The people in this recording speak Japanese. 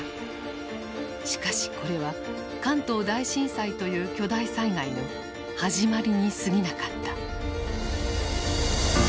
しかしこれは関東大震災という巨大災害の始まりにすぎなかった。